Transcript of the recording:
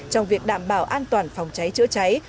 trong việc đảm bảo an toàn phòng cháy chữa cháy